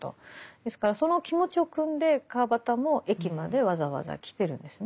ですからその気持ちをくんで川端も駅までわざわざ来てるんですね。